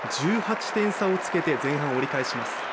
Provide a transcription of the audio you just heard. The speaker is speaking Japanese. １８点差をつけて前半を折り返します。